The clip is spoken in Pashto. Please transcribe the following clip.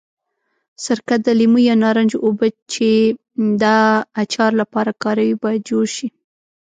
سرکه، د لیمو یا نارنج اوبه چې د اچار لپاره کاروي باید جوش شي.